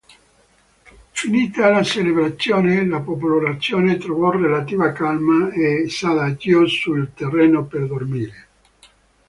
Finita la celebrazione, la popolazione trovò relativa calma e s'adagiò sul terreno per dormire.